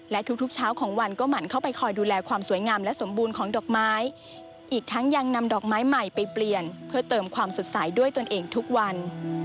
และทุกเช้าของวันก็หมั่นเข้าไปคอยดูแลความสวยงามและสมบูรณ์ของดอกไม้อีกทั้งยังนำดอกไม้ใหม่ไปเปลี่ยนเพื่อเติมความสดใสด้วยตนเองทุกวัน